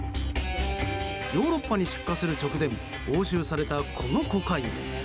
ヨーロッパに出荷する直前押収された、このコカイン。